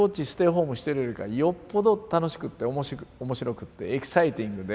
ホームしてるよりかよっぽど楽しくって面白くてエキサイティングで。